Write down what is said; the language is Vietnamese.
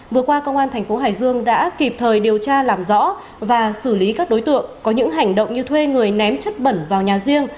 vừa qua công an thành phố hải dương đã kịp thời điều tra làm rõ và xử lý các đối tượng có những hành động như thuê người ném chất bẩn vào nhà riêng